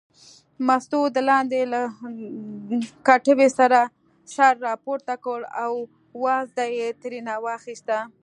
مستو د لاندې له کټوې سر راپورته کړ او وازده یې ترېنه واخیسته.